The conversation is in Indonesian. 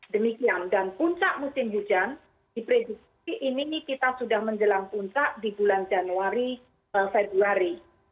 demikian dan puncak musim hujan diprediksi ini kita sudah menjelang puncak di bulan januari februari